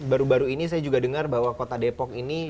baru baru ini saya juga dengar bahwa kota depok ini